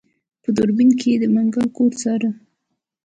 په دوربين کې يې د منګلي کور څاره.